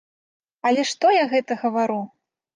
Але што я гэта гавару?